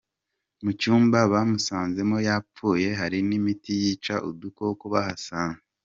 Mu cyumba bamusanzemo yapfuye, hari n'imiti yica udukoko bahasanze.